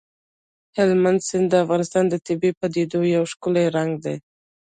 هلمند سیند د افغانستان د طبیعي پدیدو یو ښکلی رنګ دی.